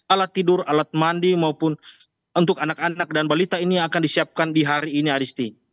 alat tidur alat mandi maupun untuk anak anak dan balita ini yang akan disiapkan di hari ini aristi